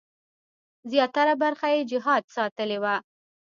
زیاتره برخه یې جهاد ساتلې وه.